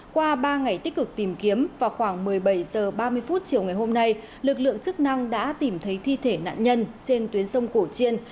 qua ba ngày tích cực tìm kiếm vào khoảng một mươi bảy h ba mươi chiều ngày hôm nay lực lượng chức năng đã tìm thấy thi thể nạn nhân trên tuyến sông cổ chiên